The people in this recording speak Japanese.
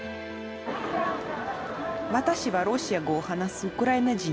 私はロシア語を話すウクライナ人。